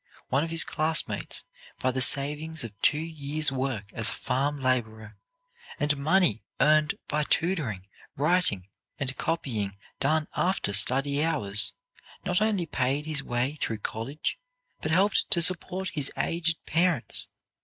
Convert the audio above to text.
One of his classmates, by the savings of two years' work as a farm laborer, and money earned by tutoring, writing, and copying done after study hours, not only paid his way through college, but helped to support his aged parents.